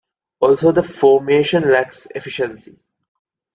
Also the formation lacks efficiency.